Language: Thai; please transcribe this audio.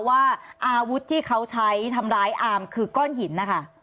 ว่าอาวุธที่เขาใช้ทำร้ายอามคือก้อนหินนะคะ